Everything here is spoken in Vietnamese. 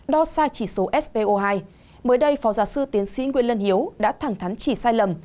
đo xa chỉ số spo hai mới đây phó giáo sư tiến sĩ nguyễn lân hiếu đã thẳng thắn chỉ sai lầm